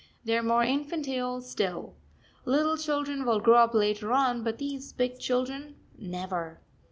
They are more infantile still. Little children will grow up later on, but these big children never.